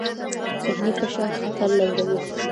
ذهني فشار خطر لوړوي.